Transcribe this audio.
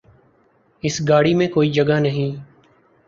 اس گاڑی میں کوئی جگہ نہیں